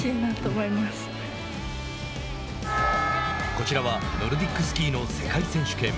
こちらはノルディックスキーの世界選手権。